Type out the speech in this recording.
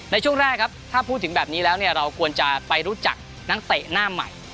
ในช่วงแรกครับถ้าพูดถึงแบบนี้แล้วเราควรจะไปรู้จักนักเตะหน้าใหม่